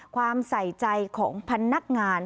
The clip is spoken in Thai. ความใส่ใจของพนักงาน